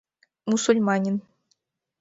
Мусульманин.